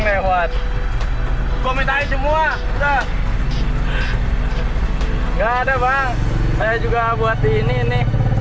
lewat komentar semua nggak ada bang saya juga buat ini